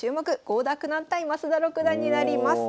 郷田九段対増田六段になります。